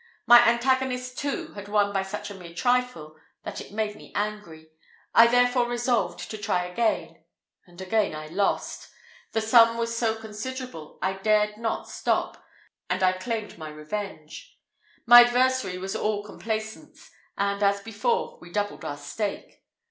My antagonist, too, had won by such a mere trifle, that it made me angry; I therefore resolved to try again and again I lost. The sum was so considerable, I dared not now stop, and I claimed my revenge. My adversary was all complaisance, and, as before, we doubled our stake.